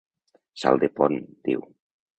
"Salt de pont ", diu.